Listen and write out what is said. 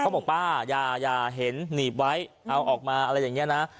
บอกป้าอย่าเห็นหนีบไว้เอาออกมาอะไรอย่างนี้นะ